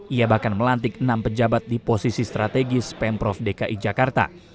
ia bahkan melantik enam pejabat di posisi strategis pemprov dki jakarta